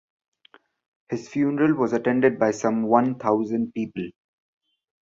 His funeral was attended by some one thousand people.